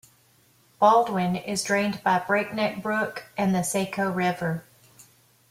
Baldwin is drained by Breakneck Brook and the Saco River.